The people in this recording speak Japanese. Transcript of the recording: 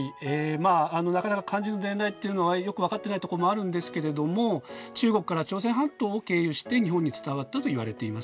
まあなかなか漢字の伝来っていうのはよく分かっていないところもあるんですけれども中国から朝鮮半島を経由して日本に伝わったといわれています。